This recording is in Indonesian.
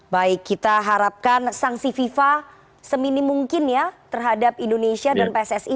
baik kita harapkan sanksi fifa seminim mungkin ya terhadap indonesia dan pssi